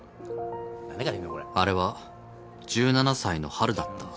あれは１７歳の春だった。